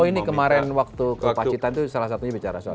oh ini kemarin waktu kewacitan itu salah satunya bicara soalnya